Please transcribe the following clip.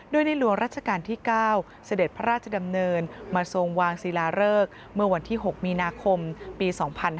โดยในหลวงราชการที่๙เสด็จพระราชดำเนินมาทรงวางศิลาเริกเมื่อวันที่๖มีนาคมปี๒๕๕๙